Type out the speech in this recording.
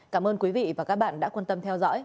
cảm ơn quý vị và các bạn đã quan tâm theo dõi